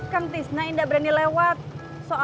kang tisna indah berani lewat